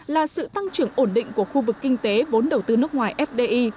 là sự tăng trưởng ổn định của khu vực kinh tế vốn đầu tư nước ngoài fdi